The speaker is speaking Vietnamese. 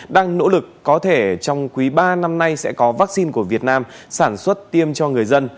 đang nỗ lực có thể trong quý ba năm nay sẽ có vaccine của việt nam sản xuất tiêm cho người dân